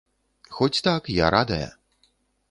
Хоць так, я радая.